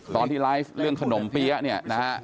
ตอนที่ไลฟ์เรื่องขนมเปี๊ยะเนี่ยนะฮะ